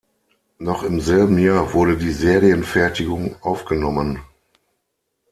Noch im selben Jahr wurde die Serienfertigung aufgenommen.